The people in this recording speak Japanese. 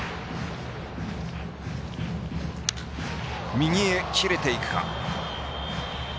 右へ切れていくか。